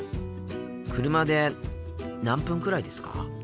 車で何分くらいですか？